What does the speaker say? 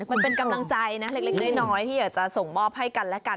มันเป็นกำลังใจนะเล็กน้อยที่อยากจะส่งมอบให้กันและกัน